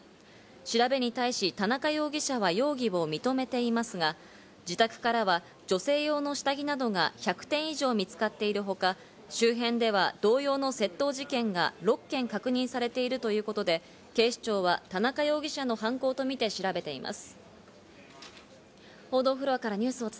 調べに対し、田中容疑者は容疑を認めていますが、自宅からは女性用の下着などが１００点以上見つかっているほか、周辺では同様の窃盗事件が６件確認されているということで、警視庁は田中容疑者の犯行とみて調べています。